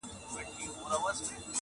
• د دښمن پر زړه وهلی بیرغ غواړم -